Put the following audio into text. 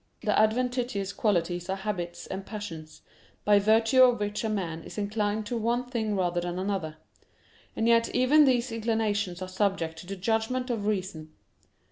The adventitious qualities are habits and passions, by virtue of which a man is inclined to one thing rather than to another. And yet even these inclinations are subject to the judgment of reason.